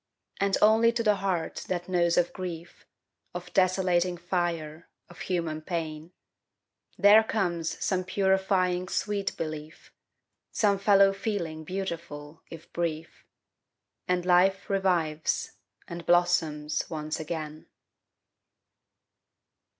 And only to the heart that knows of grief, Of desolating fire, of human pain, There comes some purifying sweet belief, Some fellow feeling beautiful, if brief. And life revives, and blossoms once again.